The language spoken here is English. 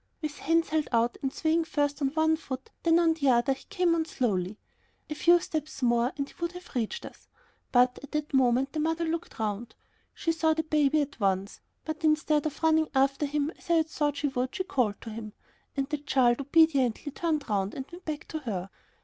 With hands held out and swaying first on one foot, then on the other, he came on slowly. A few steps more and he would have reached us, but at that moment the mother looked round. She saw her baby at once. But instead of running after him as I had thought she would, she called to him, and the child obediently turned round and went back to her.